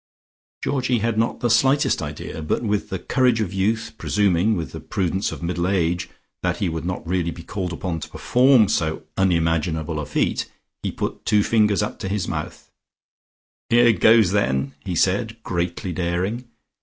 Georgie had not the slightest idea, but with the courage of youth, presuming, with the prudence of middle age, that he would not really be called upon to perform so unimaginable a feat, he put two fingers up to his mouth. "Here goes then!" he said, greatly daring.